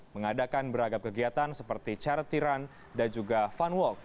mengadakan beragam kegiatan seperti chartiran dan juga fun walk